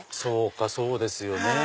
そうですよね。